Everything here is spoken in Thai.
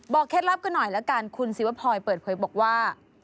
เคล็ดลับกันหน่อยละกันคุณศิวพลอยเปิดเผยบอกว่า